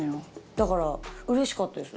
だからうれしかったです